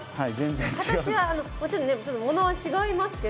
形はもちろんね物は違いますけど。